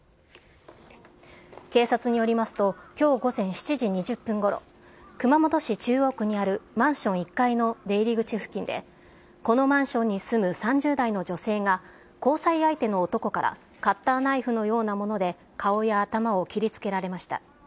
警察によりますと、きょう午前７時２０分ごろ、熊本市中央区にあるマンション１階の出入り口付近で、このマンションに住む３０代の女性が、交際相手の男からカッターナイフのようなもので顔や頭を切りつけられました。